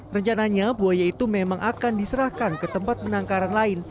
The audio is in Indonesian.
rencananya buaya itu memang akan diserahkan ke tempat penangkaran lain